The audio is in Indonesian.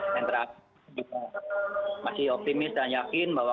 yang terakhir juga masih optimis dan yakin bahwa